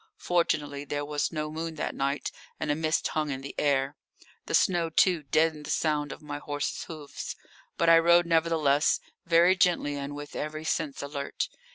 Fortunately there was no moon that night and a mist hung in the air. The snow, too, deadened the sound of my horse's hoofs. But I rode, nevertheless, very gently and with every sense alert.